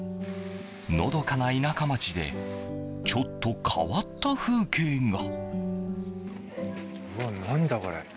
のどかな田舎町でちょっと変わった風景が。